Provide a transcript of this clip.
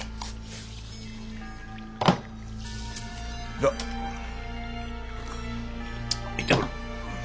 じゃ行ってくる。